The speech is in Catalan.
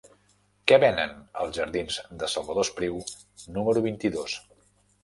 Què venen als jardins de Salvador Espriu número vint-i-dos?